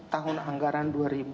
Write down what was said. tahun anggaran dua ribu sembilan belas